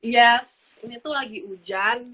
yes ini tuh lagi hujan